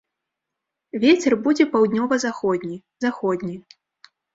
Вецер будзе паўднёва-заходні, заходні.